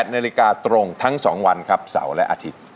๘นาฬิกาตรงทั้ง๒วันครับเสาร์และอาทิตย์